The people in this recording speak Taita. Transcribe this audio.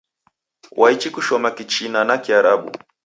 W'aichi kushoma kichina na Kiarabu.